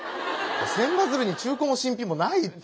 千羽鶴に中古も新品もないって。